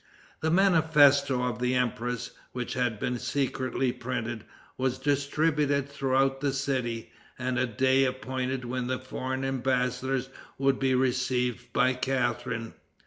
The manifesto of the empress, which had been secretly printed, was distributed throughout the city, and a day appointed when the foreign embassadors would be received by Catharine.